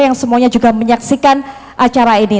yang semuanya juga menyaksikan acara ini